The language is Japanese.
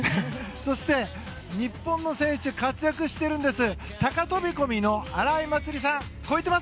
そして、日本の選手活躍しているんです。